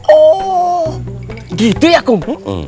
oh gitu ya kum